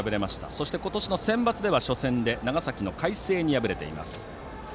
そして今年のセンバツでは初戦で長崎の海星に敗れています。